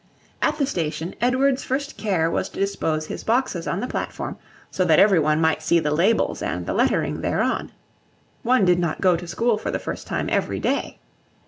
At the station, Edward's first care was to dispose his boxes on the platform so that every one might see the labels and the lettering thereon. One did not go to school for the first time every day!